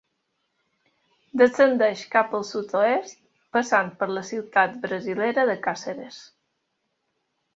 Descendeix cap al sud-oest, passant per la ciutat brasilera de Càceres.